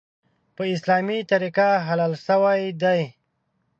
په اسلامي طریقه حلال شوی دی .